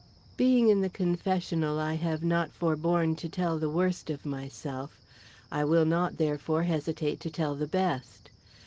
Being in the confessional, I have not forborne to tell the worst of myself; I will not, therefore, hesitate to tell the best.